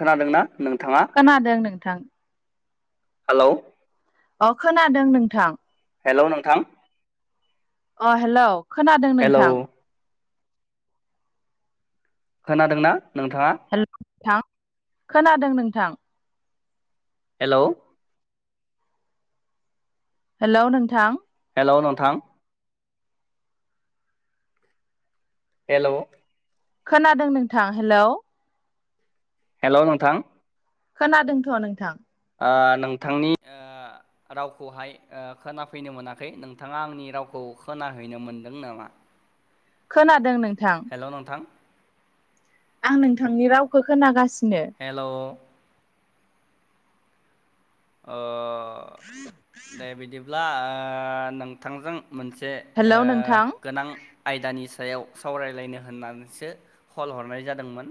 खोनादोंना नोंथाङा? खोनादों नोंथां। हेलौ अ खोनादों नोंथां। हेल' नोंथां। अ हेल' खोनादों नों हेलौ [unintelligible] खोनादोंना नोंथाङा? हेल' नोंथां खोनादों नोंथां। हेल'। हेल' नोंथां। हेल' नोंथां। हेल'। खोनादों नोंथां हेलौ हेल' नोंथां। खोनादोंथ' नोंथां। नोंथांनि रावखौहाय खोनाफैनो मोनाखै। नोंथाङा आंनि रावखौ खोनाहैनो मोनदों नामा? खोनादों नोंथां। हेल' नोंथां। आं नोंथांनि रावखौ खोनागासिनो हेल' दे बिदिब्ला नोंथांजों मोनसे हेलौ नोंथां गोनां आयदानि सायाव सावरायलायनो होननानैसो कल हरनाय जादोंमोन।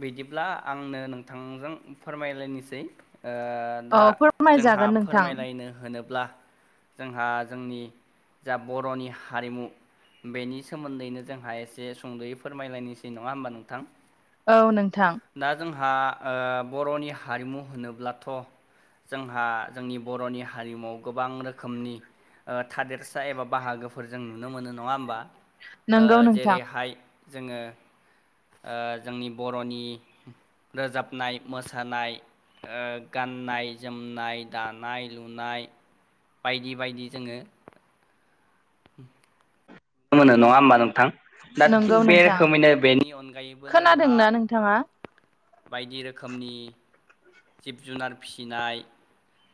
बिदिब्ला आंनो नोंथांजों फोरमायलायनोसै। दा औ जोंहा फोरमायजागोन नोंथां फोरमायलायनो होनोब्ला जोंहा जोंनि जा बर'नि हारिमु बेनि सोमोन्दैनो जोंहा एसे सुंद'यै फोरमायलायनोसै नङा होमबा नोंथां। औ नोंथां। दा जोंहा बर'नि हारिमु होनोब्लाथ' जोंहा जोंनि बर'नि हारिमुआव गोबां रोखोमनि थादेरसा एबा बाहागोफोर जों नुनो मोनो नङा होमबा नंगौ नोंथां जेरैहाय जोङो जोंनि बर'नि रोजाबनाय मोसानाय गाननाय-जोमनाय, दानाय-लुनाय बायदि बायदि जोङो। मोनो नङा होमबा नोंथां दा थिग नंगौ बे नोंथां रोखोमैनो बेनि अनगायैबो जोंहा बिथांङा बायदि रोखोमनि। जिब-जुनार फिसिनाय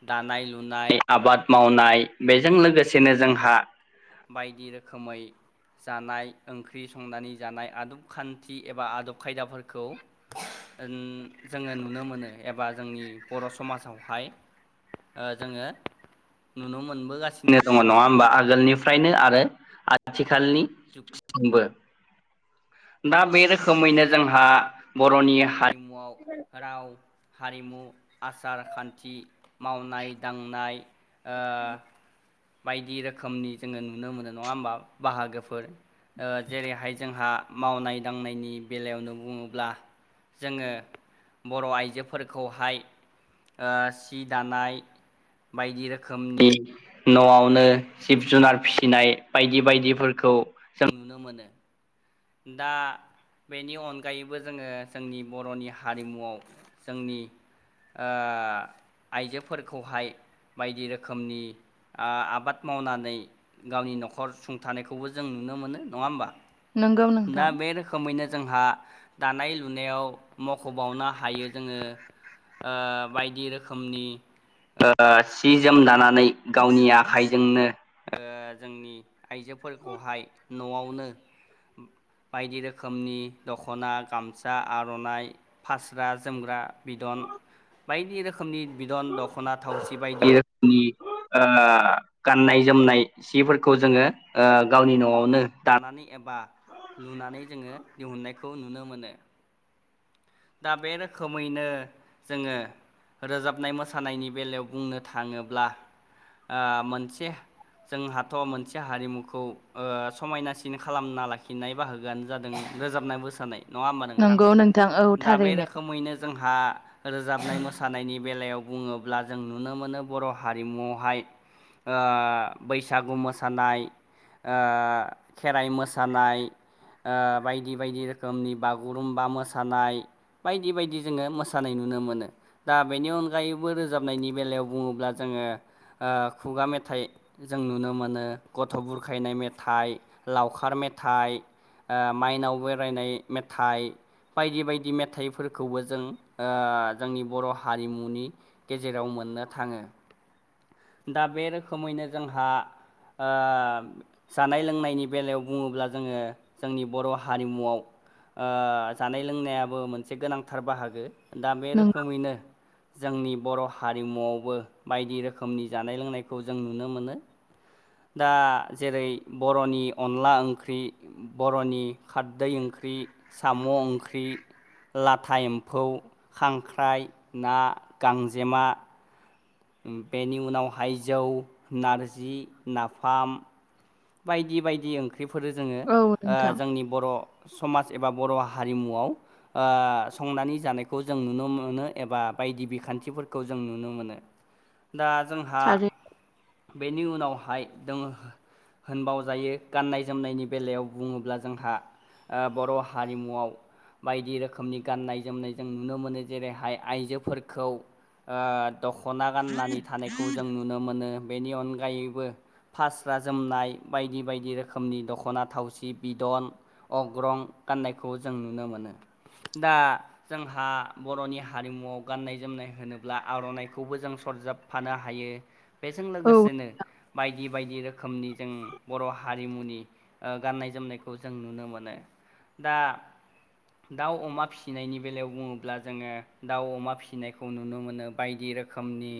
दानाय-लुनाय, आबाद मावनाय बेजों लोगोसेनो जोंहा बायदि रोखोमै जानाय ओंख्रि संनानै ज थानाय आदब खान्थि एबा आदब खायदाफोरखौ जोङो नुनो मोनो। एबा जोंनि बर' समाजावहाय जोङो नुनो मोनबोगासिनो दङ नङा होमबा आगोलनिफ्राय फ्रनो आरो आथिखालनि जुगजोंबो दा बे रोखोमैनो जोंहा बर'नि हारिमुआव राव [unintelligible] हारिमु आसार खान्थि मावनाय दांनाय ओ बायदि रोखोमनि जोङो नुनो मोनो नङा होमबा बाहागोफोर ओ जेरैहाय जोंहा मावनाय दांनायनि बेलायावनो बुङोब्ला जोङो बर' आइजोफोरखौहाय ओ सि दानाय बायदि रोखोमनि न'आवनो जिब जुनार फिसिनाय बायदि बायदिफोरखौ जों नुनो मोनो दा बेनि अनगायैबो जोङो जोंनि बर'नि हारिमुआव जोंनि ओ आइजोफोरखौहाय बायदि रोखोमनि ओ आबाद मावनानै गावनि न'खर सुंथानायखौबो जों नुनो मोनो नङा होमबा नंगौ दा नोंथां बे रोखोमैनो जोंहा दानाय लुनायाव मख'बावनो हायो जोङो बायदि रोखोमनि सि ओ जोम दाना नै गावनि आखाइजोंनो ओ जोंनि आइजोफोरखौहाय न'आवनो बायदि रोखोमनि दख'ना गामसा आर'नाइ फाग्रा जोमग्रा बिदन बायदि रोखोमनि बिदन दख'ना थावसि बायदि रोखोमनि ओ गाननाय जोमनाय सिफोरखौ जोङो ओ गावनि न'आवनो दानानै एबा लुनानै जोङो दिहुननायखौ नुनो मोनो दा बे रोखोमैनो जोङो रोजाबनाय मोसानायनि बेलायाव बुंनो थाङोब्ला ओ मोनसे जोंहाथ' मोनसे हारिमुखौ समायनासिन खालामना लाखिनाय बाहागोआनो जादों रोजाबनाय मोसानाय नङा होमबा नोंथां नंगौ नोंथां औ दा बे थारैनो रोखोमैनो जोंहा रोजाबनाय मोसानायनि बेलायाव बुङोब्ला जों नुनो मोनो बर' हारिमुआवहाय ओ बैसागु मोसानाय ओ खेराइ मोसानाय ओ बायदि बायदि रोखोमनि बागुरुम्बा मोसानाय बायदि बायदि जोङो मोसानाय नुनो मोनो दा बेनि अनगायैबो रोजाबनायनि बेलायाव बुङोब्ला जोङो ओ खुगा मेथाइ जों नुनो मोनो गथ' बुरखायनाय मेथाइ लावखार मेथाइ ओ माइनाव बरायनाय मेथाइ बायदि बाय दि मेथाइफोरखौबो जों जोंनि बर' हारिमुनि गेजेराव मोननो थाङो दा बे रोखोमैनो जोंहा ओ जानाय लोंनायनि बेलायाव बुङोब्ला जोङो जोंनि बर' हारिमुआव ओ जानाय लोंनायाबो मोनसे गोनांथार बाहागो दा बे नंगौ रोखोमैनो जोंनि बर' हारिमुआवबो बायदि रो रोखोमनि जानाय लोंनायखौ जों नुनो मोनो दा जेरै बर'नि अनला ओंख्रि बर'नि खारदै ओंख्रि साम' ओंख्रि लाथा एम्फौ खांख्राइ ना गांजेमा बेनि उनावहाय जौ नारजि नाफाम बायदि बायदि ओंख्रिफोरो जोङो औ ओ नोंथां जोंनि बर' समाज एबा बर' हारिमुआव ओ संनानै जानायखौ जों नुनो मोनो एबा बायदि बिखान्थिफोरखौ जों नुनो मोनो दा जोंहा थारै बेनि उनावहाय दङो। होनबावजायो गाननाय जोमनायनि बेलायाव बुङोब्ला जोंहा बर' हारिमुआव बायदि रोखोमनि गाननाय जोमनाय जों नुनो मोनो जेरैहाय आइजोफोरखौ दख'ना गाननानै थानायखौ जों नुनो मोनो बेनि अनगायैबो फास्रा जोमनाय बायदि बायदि रोखोमनि दख'ना थावसि बिदन अग्रं गाननायखौ जों नुनो मोनो दा। जोंहा बर'नि हारिमुआव गाननाय जोमनाय होनोब्ला आर'नाइखौबो जों सरजाब फानो हायो बेजों औ लोगोसेनो बायदि बायदि रोखोमनि जों बर' हारिमुनि गाननाय जोमनायखौ जों नुनो मोनो दा दाउ अमा फिसिनायनि बेलायाव बुङोब्ला जोङो दाउ अमा फिसिनायखौ नुनो मोनो बायदि रोखोम रोखोमनि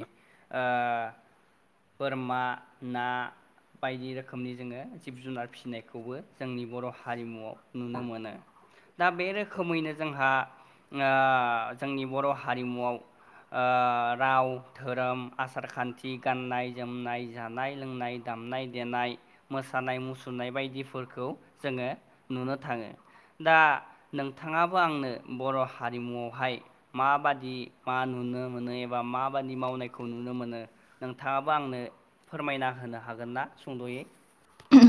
बोरमा ना बायदि रोखोम रोखोमनि जोङो जिब जुनार फिसिनायखौबो जोंनि बर' हारिमुआव नुनो मोनो दा बे रोखोमैनो जोंहा जोंनि बर' हारिमुआव राव धोरोम आसार खान्थि गाननाय जोमनाय जानाय लोंनाय दामनाय देनाय खानाय मुसुरनाय बायदिफोरखौ जोङो नुनो थाङो। दा नोंथाङाबो आंनो बर' हारिमुआवहाय माबादि मा नुनो मोनो एबा माबादि मावनायखौ नुनो मोनो। नोंथाङाबो आंनो फोरमायना होनो हागोन ना सुंद'यै?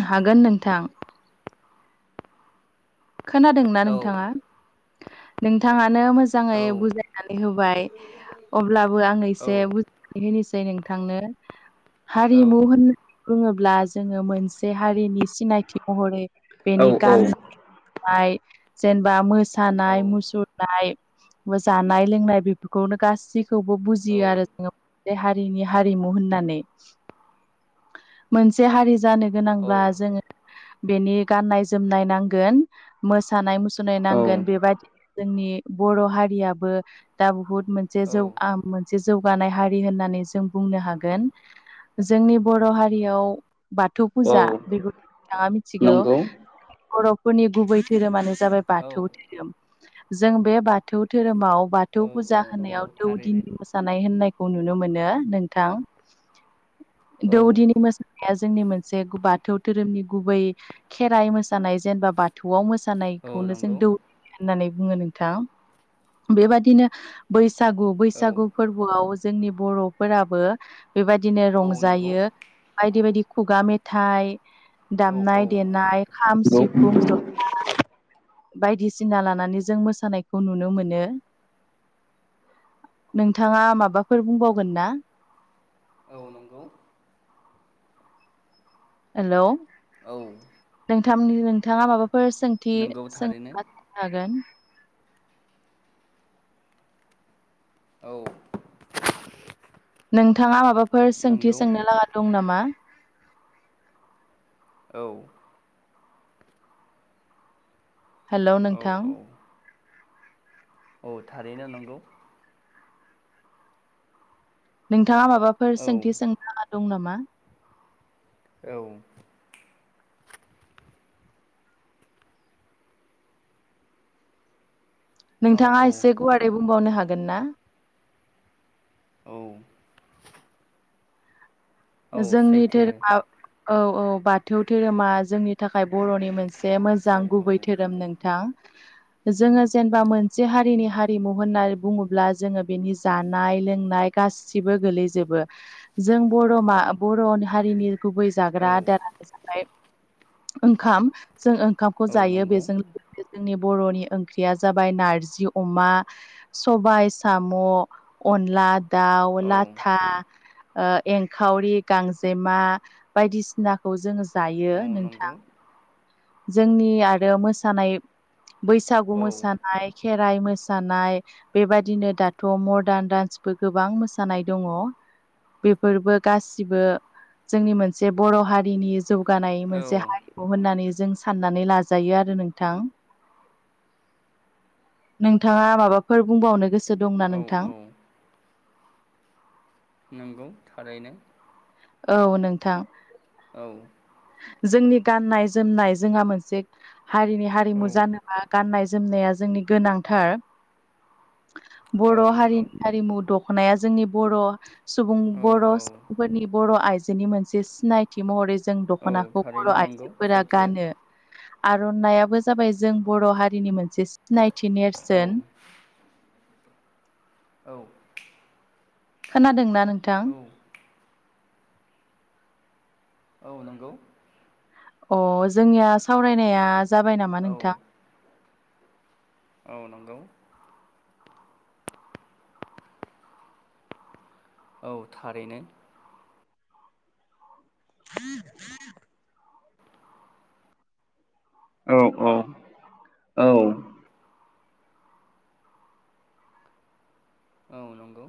हागोन नोंथां। खोनादोंना औ नोंथाङा? नोंथाङानो मोजाङै औ बुजाय बुनानै होबाय अब्लाबो आं औ एसे बुंनानै होनोसै नोंथांनो हारिमु होननानै बुङोब्ला जोङो मोनसे हारिनि सिनायथि महरै औ बेनि गाननाय [unintelligible] जेनबा मोसानाय मुसुर नाय जानाय लोंनाय बेफोरखौनो गासैखौबो बुजियो औ आरो जोङो बे हारिनि हारिमु होननानै मोनसे हारि जानो गोनांब्ला जोङो बेनि गाननाय जोमनाय नांगोन मोसानाय मुसु होनाय नांगोन औ बेबायदिनो जोंनि बर' हारियाबो दा बुहुत मोन मोनसे जौवा मोनसे जौगानाय हारि होननानै जों बुंनो हागोन जोंनि बर' हारियाव बाथौ औ फुजा बेखौ बिथाङा मिथिगौ नंगौ बर'फोरनि गुबै धोरोमानो जाबाय औ बाथौ धोरोम जों बे बाथौ धोरोमाव बाथौ औ औ फुजा नंगौ होनायाव थारैनो दौदिनि मोसा जानाय होननायखौ नुनो मोनो नोंथां। औ दौदिनि मो जोंनि मोनसे बाथौ धोरोमनि गुबै खेराइ मोसानाय जेनेबा बा थौवाव औ मोसानायखौनो जों नंगौ दौ होननानै बुङो नोंथां बेबादिनो बैसागु औ बैसागु फोरबोआव जोंनि बर'फोराबो बेबायदिनो औ नंगौ रंजायो। बायदि बायदि खुगा मेथाइ औ दामनाय औ देनाय खाम नंगौ सिफुं ज बायदिसिना लानानै जों मोसानायखौ नुनो मोनो। नोंथाङा माबाफोर बुंबावगोन ना? औ नंगौ। हेलौ। औ। नोंथांनि नोंथाङा माबाफोर सोंथि नंगौ थारैनो सोंनो हागोन। औ। नोंथाङा माबाफोर सोंथि नंगौ सोंनो लागा दं नामा? औ। हेलौ औ नोंथां औ औ थारैनो नंगौ नोंथाङा माबाफोर औ सोंथि सोंनो लागा दं नामा? औ औ नोंथाङा एसे गुवारै बुंबावनो हागोन ना? औ औ जोंनि सैथो धोरोमा औ औ बाथौ धोरोमा जोंनि थाखाय बर'नि मोनसे से मोजां औ औ गुबै धोरोम नंगौ नोंथां जोङो जेनबा मोनसे हारिनि हारिमु होननानै बुङोब्ला जोङो बेनि जानाय लोंनाय गासिबो गोलैजोबो जों बर' मा बर' हारिनि गुबै औ जाग्रा आदार [inaudible] ओंखाम जों ओंखामखौ औ जायो नंगौ बेजों लोगोसे जोंनि बर'नि ओंख्रिया जाबाय नारजि अमा सबाइ साम' अनला दाउ औ लाथा ओ एंखावरि गांजेमा बायदिसिना खौ जों जायो औ नंगौ नोंथां जोंनि आरो मोसानाय बैसागु औ मोसानाय खेराइ मोसानाय बेबादिनो दाथ' मदार्न डान्सबो गोबां मोसानाय दङ। बेफोरबो गासिबो जोंनि मोनसे बर' हारिनि जौगानाय औ मोनसे हारिमु होननानै जों साननानै लाजायो आरो नोंथां नोंथाङा माबाफोर बुंबावनो गोसो दंना नोंथां औ औ नंगौ थारैनो औ नोंथां औ जोंनि गाननाय जोमनाय जोंहा मोनसे हारिनि औ हारिमु जानो गाननाय जोमनाया जोंनि गोनांथार औ बर' नंगौ हारिनि हारिमु दख'नाया जोंनि बर' सुबुं औ बर' औ फोरनि बर' आइजोनि मोनसे सिनायथि महरै जों औ दखनाखौ बर' थारैनो नंगौ आइजोफोरा सैथो गानो आर'नाइयाबो जाबाय जों बर' हारिनि मोनसे सिनायथि औ नेरसोन औ खोनादोंना नोंथां औ औ नंगौ अ जोंनिया सावरायनाया जाबाय नामा औ नोंथां औ नंगौ औ थारैनो [unintelligible] औ औ औ औ नंगौ